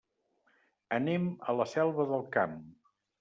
Anem a la Selva del Camp.